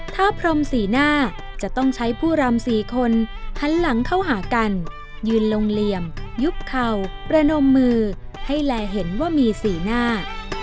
ถ้าพรมสีหน้าจะต้องใช้ผู้รำ๔คนหันหลังเข้าหากันยืนลงเหลี่ยมยุบเข่าประนมมือให้แลเห็นว่ามีสีหน้า